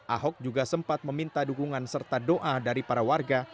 ahok juga sempat meminta dukungan serta doa dari para warga